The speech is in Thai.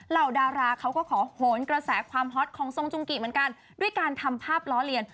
ดาราเขาก็ขอโหนกระแสความฮอตของทรงจุงกิเหมือนกันด้วยการทำภาพล้อเลียน